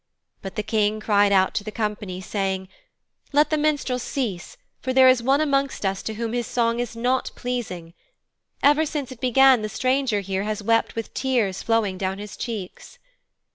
But the King cried out to the company saying, 'Let the minstrel cease, for there is one amongst us to whom his song is not pleasing. Ever since it began the stranger here has wept with tears flowing down his cheeks.'